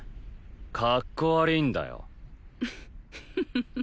カッコ悪いんだよフフフ